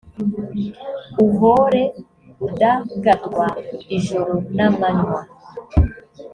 uhore udagadwa ijoro n’amanywa,